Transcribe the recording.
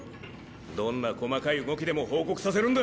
どんな細かい動きでも報告させるんだ。